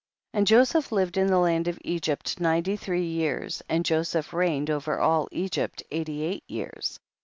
20. And Joseph lived in the land of Egypt ninety three years, and Jo seph reigned over all Egypt eighty years.